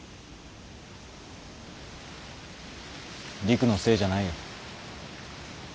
陸のせいじゃないよ。